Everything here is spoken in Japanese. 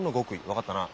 分かったな。